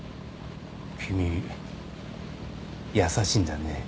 君優しいんだねぇ。